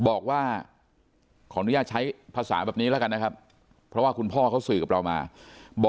บอกว่าขออนุญาตใช้ภาษาแบบนี้ละกันนะครับ